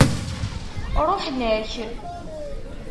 Ṛuḥen-ak.